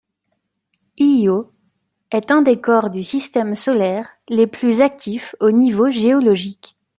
Io est un des corps du système solaire les plus actifs au niveau géologique.